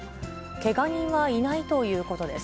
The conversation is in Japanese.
けが人はいないということです。